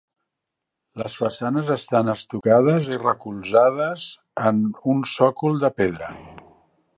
Les façanes estan estucades i recolzades en un sòcol de pedra.